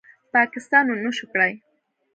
پاکستان ونشو کړې